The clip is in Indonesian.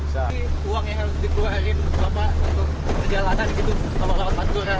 tapi uang yang harus dikeluarin bapak untuk perjalanan gitu kalau lewat mantura